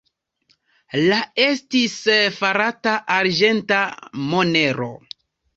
La estis farata arĝenta monero.